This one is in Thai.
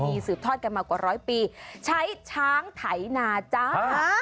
มีสืบทอดกันมากว่าร้อยปีใช้ช้างไถนาจ้า